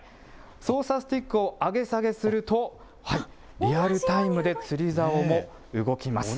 操作スティックを上げ下げすると、リアルタイムで釣りざおも動きます。